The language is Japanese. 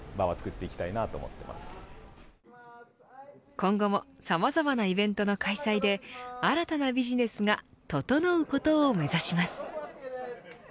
今後もさまざまなイベントの開催で新たなビジネスがととのうことを目指します。